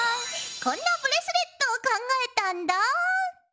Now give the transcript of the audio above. こんなブレスレットを考えたんだ！